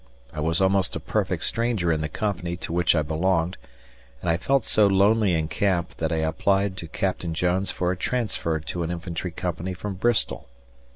I was almost a perfect stranger in the company to which I belonged, and I felt so lonely in camp that I applied to Captain Jones for a transfer to an infantry company from Bristol.